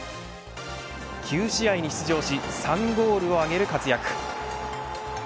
９試合に出場し３ゴールを挙げる活躍。